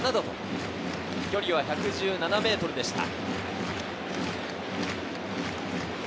飛距離は１１７メートルでした。